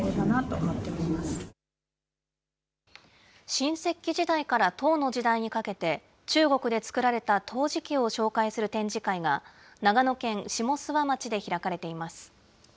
新石器時代から唐の時代にかけて、中国で作られた陶磁器を紹介する展示会が、長野県下諏訪町で開か